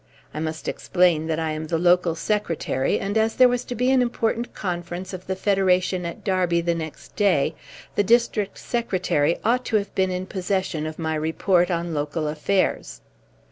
I must explain that I am the local secretary, and as there was to be an important conference of the Federation at Derby the next day, the District Secretary ought to have been in possession of my report on local affairs.